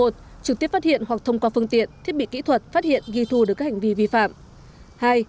một trực tiếp phát hiện hoặc thông qua phương tiện thiết bị kỹ thuật phát hiện ghi thu được các hành vi vi phạm